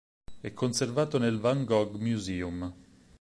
È conservato nel Van Gogh Museum.